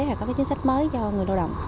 hay có cái chính sách mới cho người lao động